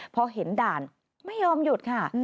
พอเห็นด่านไม่ยอมหยุดค่ะ